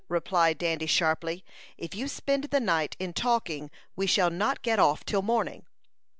replied Dandy, sharply. "If you spend the night in talking, we shall not get off till morning."